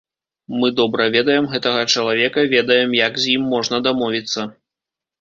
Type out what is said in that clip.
Мы добра ведаем гэтага чалавека, ведаем, як з ім можна дамовіцца.